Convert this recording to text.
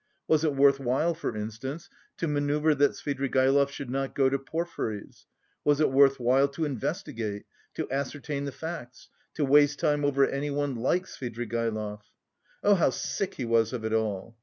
Was it worth while, for instance, to manoeuvre that Svidrigaïlov should not go to Porfiry's? Was it worth while to investigate, to ascertain the facts, to waste time over anyone like Svidrigaïlov? Oh, how sick he was of it all!